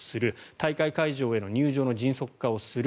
大会会場への入場の迅速化をする。